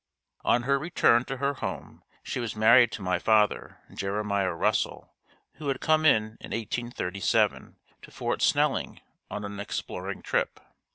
On her return to her home, she was married to my father, Jeremiah Russell, who had come in 1837 to Fort Snelling on an exploring trip.